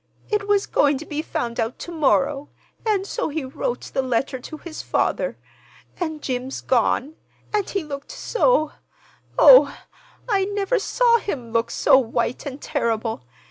It was going to be found out to morrow, and so he wrote the letter to his father. And Jim's gone. But he looked so—oh, I never saw him look so white and terrible.